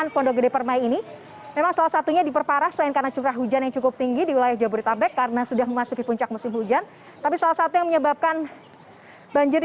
pondok gede permai jatiasi pada minggu pagi